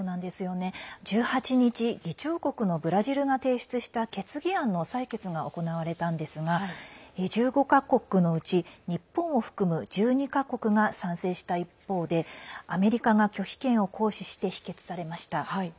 １８日、議長国のブラジルが提出した決議案の採決が行われたんですが１５か国のうち、日本を含む１２か国が賛成した一方でアメリカが拒否権を行使して否決されました。